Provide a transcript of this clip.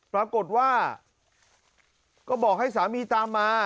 ปรากฏว่าก็บอกให้สามีตามมา